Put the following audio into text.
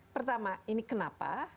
pertama ini kenapa